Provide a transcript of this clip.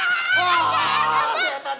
aduh apaan kakak kiamat